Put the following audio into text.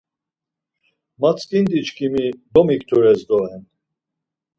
Martzǩindi çkimi domiktures doren.